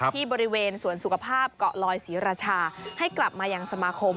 ที่บริเวณสวนสุขภาพเกาะลอยศรีราชาให้กลับมายังสมาคม